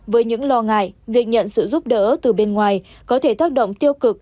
với những lo ngại việc nhận sự giúp đỡ từ bên ngoài có thể tác động tiêu cực